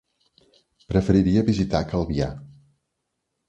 Preferiria visitar Calvià.